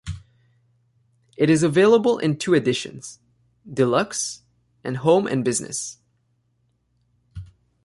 It is available in two editions: Deluxe, and Home and Business.